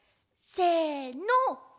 せの！